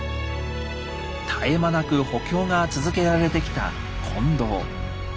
絶え間なく補強が続けられてきた金堂。